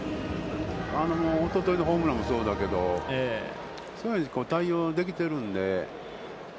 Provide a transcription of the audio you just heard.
おとといのホームランもそうだけど、対応はできてるので。